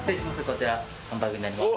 こちらハンバーグになります